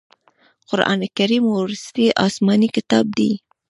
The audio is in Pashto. قرآن کریم وروستی اسمانې کتاب دی.